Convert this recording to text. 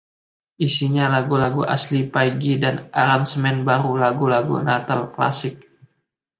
Isinya lagu-lagu asli Paige dan aransemen baru lagu-lagu Natal klasik.